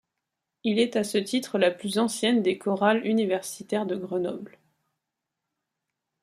Il est à ce titre la plus ancienne des chorales universitaires de Grenoble.